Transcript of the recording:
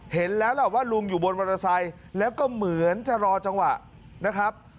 เห็นแล้วล่ะว่าลุงอยู่บนมอเตอร์ไซค์แล้วก็เหมือนจะรอจังหวะนะครับ